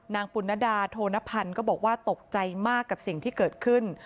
ปุณดาโธนพันธ์ก็บอกว่าตกใจมากกับสิ่งที่เกิดขึ้น